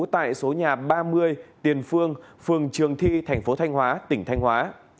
tại số nhà ba mươi tiền phương phường trường thi tp thanh hóa tỉnh thanh hóa